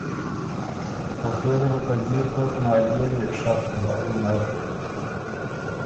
او پېری وه که جیر دوک نالئے وې شخ هۀ وینر۔